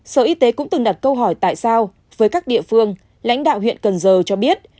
sở y tế cũng từng đặt câu hỏi tại sao với các địa phương lãnh đạo huyện cần giờ cho biết